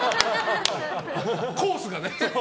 コースがね。